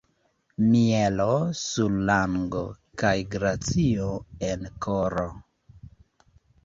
Mielo sur lango, kaj glacio en koro.